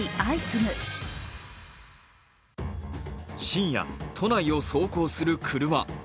深夜、都内を走行する車。